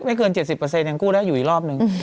แต่บอกเขาบอกไม่เกิน๗๐ยังกู้ได้อยู่อีกรอบหนึ่ง